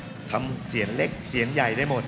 ก็ทำเสียงเล็กเสียงใหญ่ได้หมด